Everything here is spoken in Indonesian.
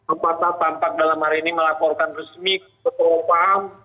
empat empat pampak dalam hari ini melaporkan resmi kekeluargaan